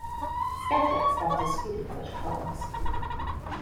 Skeptics have disputed such claims.